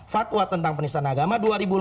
fatwa tentang penisahan agama